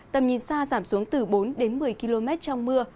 tầm nhìn xa giảm xuống từ bốn một mươi km trong mưa